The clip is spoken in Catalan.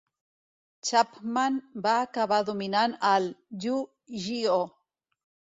Chapman va acabar dominant el "Yu-Gi-Oh!"